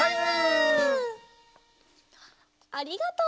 ありがとう。